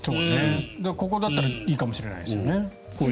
ここだったらいいかもしれないですね。